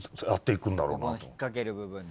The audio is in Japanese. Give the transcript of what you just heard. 引っ掛ける部分で。